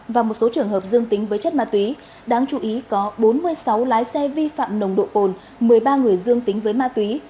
và một số trường hợp dương tính với chất ma túy đáng chú ý có bốn mươi sáu lái xe vi phạm nồng độ cồn một mươi ba người dương tính với ma túy